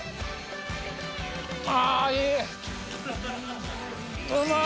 ああ、いい。